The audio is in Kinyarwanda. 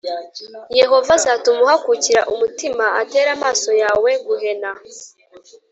Yehova azatuma uhakukira umutima, atere amaso yawe guhena,